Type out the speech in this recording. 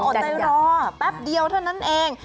อ๋ออ้อนไตรรอแป๊บเดียวเท่านั้นเอง